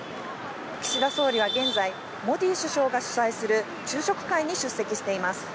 岸田総理は現在、モディ首相が主催する昼食会に出席しています。